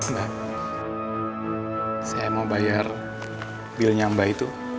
saya mau bayar bilnya mbak itu